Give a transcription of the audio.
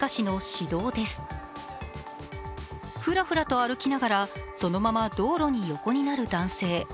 ふらふらと歩きながらそのまま道路に横になる男性。